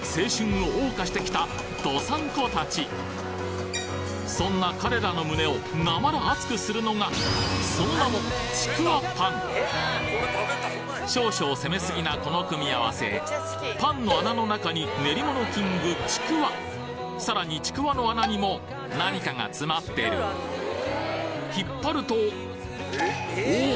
北海道でそんな彼らの胸をなまら熱くするのがその名も少々攻めすぎなこの組み合わせパンの穴の中に練り物キングちくわさらにちくわの穴にも何かが詰まってる引っ張るとおお！